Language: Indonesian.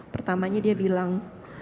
pertamanya dia bilang